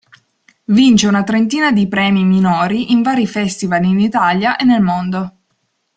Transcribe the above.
Vince una trentina di premi minori in vari festival in Italia e nel mondo.